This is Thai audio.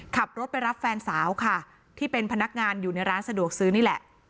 ขับรถไปรับแฟนสาวค่ะที่เป็นพนักงานอยู่ในร้านสะดวกซื้อนี่แหละ